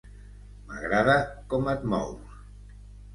M'agrada com et mous.